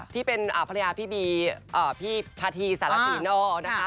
ที่เป็นภรรยาพี่บีพี่พาธีสารศรีนอกนะคะ